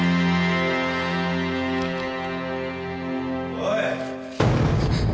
おい！